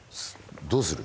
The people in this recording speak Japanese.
どうする？